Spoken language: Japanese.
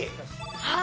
はい。